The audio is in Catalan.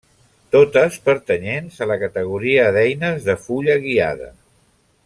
Totes pertanyents a la categoria d'eines de fulla guiada.